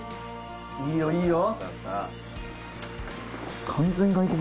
いいよいいよ！